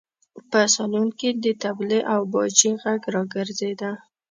په سالون کې د تبلې او باجې غږ راګرځېده.